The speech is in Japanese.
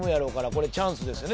これチャンスですよね